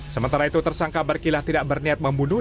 sementara itu tersangka berkilah tidak berniat membunuh